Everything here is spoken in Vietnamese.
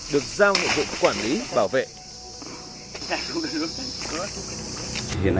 được giao nội dụng quản lý bảo vệ